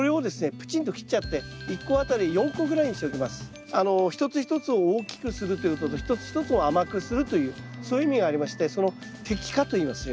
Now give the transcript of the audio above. プチンと切っちゃって一つ一つを大きくするということと一つ一つを甘くするというそういう意味がありまして摘果といいますそういうのを。